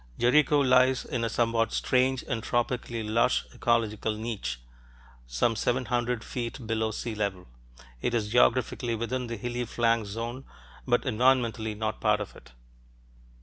Jericho lies in a somewhat strange and tropically lush ecological niche, some seven hundred feet below sea level; it is geographically within the hilly flanks zone but environmentally not part of it.